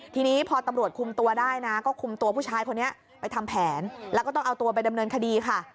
ทีนี้พอตำรวจคุมตัวได้นะก็คุมตัวผู้ชายคนนี้ไปทำแผนแล้วก็ต้องเอาตัวไปดำเนินคดีค่ะ